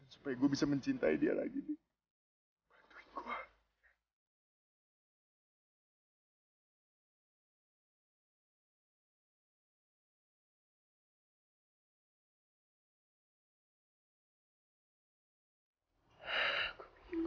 supaya gue bisa mencintai dia lagi nih